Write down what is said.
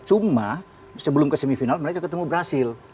cuma sebelum ke semifinal mereka ketemu brazil